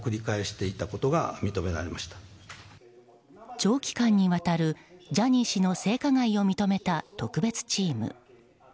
長期間にわたるジャニー氏の性加害を認めた特別チーム。